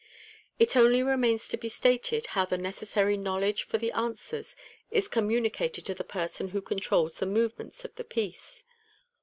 It only remains to be stated how the necessary knowledge for the Answers is communicated to the person who controls the movements of the piece.